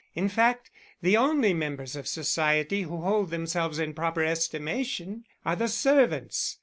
In fact the only members of society who hold themselves in proper estimation are the servants.